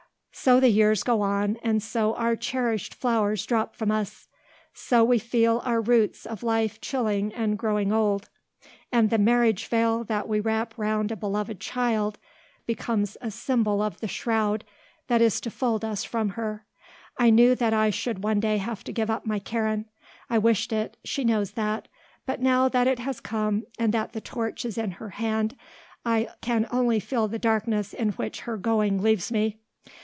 So the years go on and so our cherished flowers drop from us; so we feel our roots of life chilling and growing old; and the marriage veil that we wrap round a beloved child becomes the symbol of the shroud that is to fold us from her. I knew that I should one day have to give up my Karen; I wished it; she knows that; but now that it has come and that the torch is in her hand, I can only feel the darkness in which her going leaves me.